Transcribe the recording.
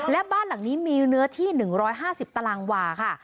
และบ้านหลังนี้มีเนื้อที่๑๕๐ตารางวาค่ะ